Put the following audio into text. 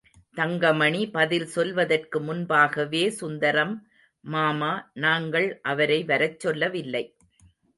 தங்கமணி பதில் சொல்வதற்கு முன்பாகவே சுந்தரம், மாமா, நாங்கள் அவரை வரச்சொல்லவில்லை.